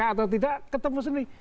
atau tidak ketemu sendiri